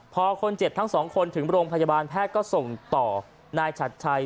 พอคนเจ็บทั้งสองคนถึงโรงพยาบาลแพทย์ก็ส่งต่อนายชัดชัย